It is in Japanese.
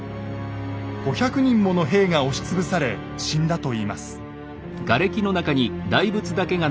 五百人もの兵が押し潰され死んだといいます。